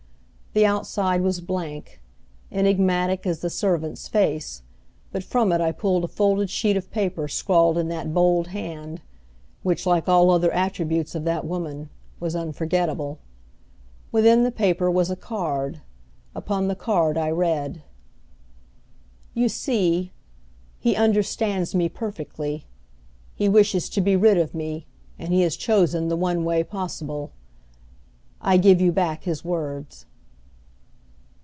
The outside was blank, enigmatic as the servant's face, but from it I pulled a folded sheet of paper scrawled in that bold hand, which, like all other attributes of that woman, was unforgettable. Within the paper was a card. Upon the card I read: "You see, he understands me perfectly. He wishes to be rid of me and he has chosen the one way possible. I give you back his words."